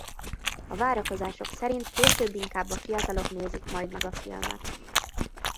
A várakozások szerint később inkább a fiatalok nézik majd meg a filmet.